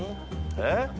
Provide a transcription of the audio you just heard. えっ？